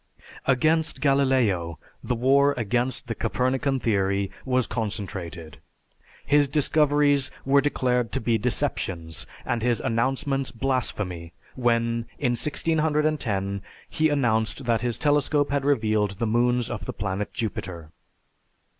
Against Galileo, the war against the Copernican theory was concentrated. His discoveries were declared to be deceptions, and his announcements blasphemy when, in 1610, he announced that his telescope had revealed the moons of the planet Jupiter.